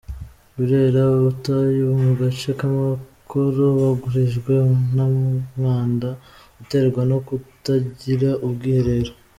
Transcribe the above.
Burera: Abatuye mu gace k’amakoro bugarijwe n’umwanda uterwa no kutagira ubwiherero.